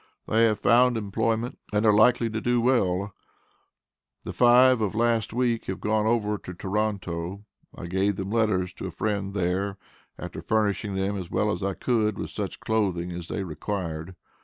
They have found employment and are likely to do well. The 5 of last week have gone over to Toronto. I gave them letters to a friend there after furnishing them as well as I could with such clothing as they required.